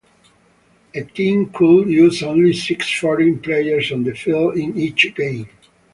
A team could use only six foreign players on the field in each game.